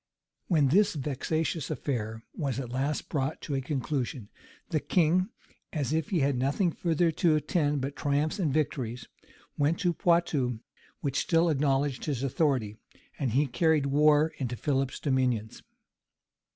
} When this vexatious affair was at last brought to a conclusion, the king, as if he had nothing further to attend but triumphs and victories, went over to Poictou, which still acknowledged his authority;[*] and he carried war into Philip's dominions.